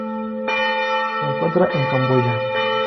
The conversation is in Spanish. Se encuentra en Camboya.